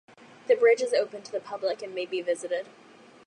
The bridge is open to the public and may be visited.